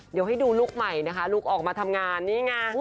เดี๋ยวให้ดูลุคใหม่นะคะลูกออกมาทำงานนี่ไง